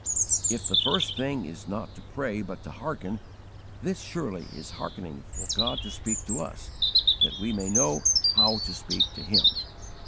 If the first thing is not to pray but to hearken, this surely is hearkening for God to speak to us that we may know how to speak to Him.